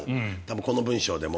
この文章でも。